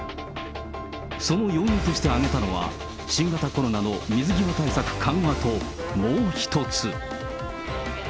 その要因として挙げたのが、新型コロナの水際対策緩和と、もう一つ。